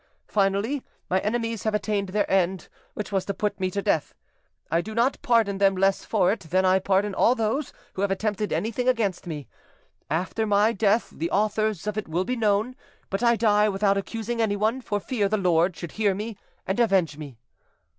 Finally, my enemies have attained their end, which was to put me to death: I do not pardon them less for it than I pardon all those who have attempted anything against me. After my, death, the authors of it will be known. But I die without accusing anyone, for fear the Lord should hear me and avenge me."